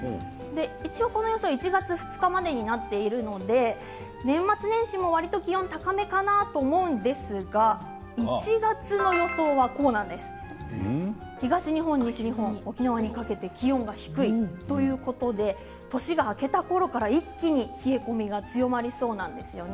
一応、この予想は１月２日までになっているので年末年始も、わりと気温は高めかなと思うんですけれど１月の予想は東日本、西日本、沖縄にかけて気温が低いということで年が明けたころから一気に冷え込みが強まりそうなんですよね。